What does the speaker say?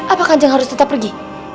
apa kanjeng harus tetap pergi